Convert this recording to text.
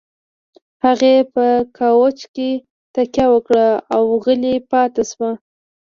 هغې په کاوچ کې تکيه وکړه او غلې پاتې شوه.